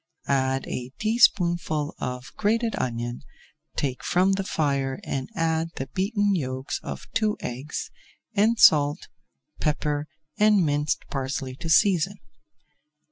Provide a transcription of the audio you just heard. Add a teaspoonful of grated onion, take from the fire and add the beaten yolks of two eggs, and salt, pepper, and minced parsley to season.